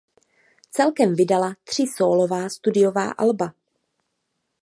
Celkem vydala tři sólová studiová alba.